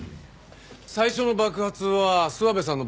最初の爆発は諏訪部さんの母校でした。